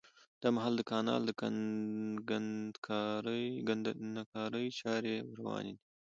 دا مهال د کانال د کندنکارۍ چاري رواني دي